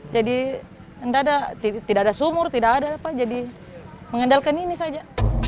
jadi tidak ada sumur tidak ada apa jadi mengandalkan ini saja